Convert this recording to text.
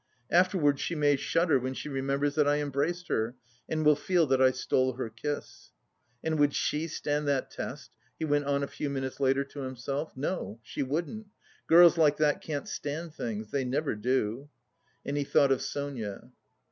"Afterwards she may shudder when she remembers that I embraced her, and will feel that I stole her kiss." "And would she stand that test?" he went on a few minutes later to himself. "No, she wouldn't; girls like that can't stand things! They never do." And he thought of Sonia.